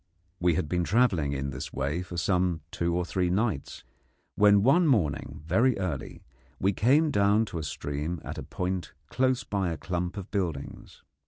We had been travelling in this way for some two or three nights, when one morning very early we came down to a stream at a point close by a clump of buildings.